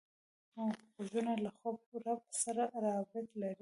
غوږونه له خپل رب سره رابط لري